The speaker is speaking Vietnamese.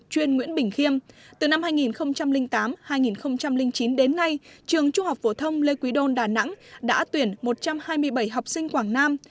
chuyên nguyễn bình khiêm từ năm hai nghìn tám hai nghìn chín đến nay trường trung học phổ thông lê quý đôn đà nẵng đã tuyển một trăm hai mươi bảy học sinh quảng nam